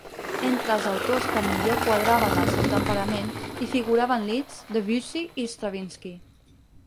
Entre els autors que millor quadraven al seu temperament, hi figuraven Liszt, Debussy i Stravinski.